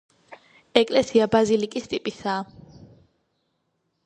ეკლესია ბაზილიკის ტიპისაა.